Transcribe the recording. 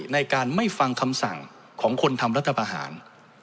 ในการไม่ฟังคำสั่งของคนทำรัฐประหาร